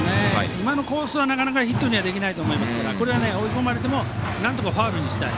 今のコースはなかなかヒットにできないと思いますがこれは追い込まれてもなんとかファウルにしたい。